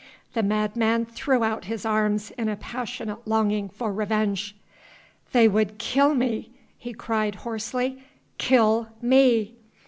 The madman threw out his arms in a passionate longing for revenge. "They would kill me," he cried hoarsely, "kill me!"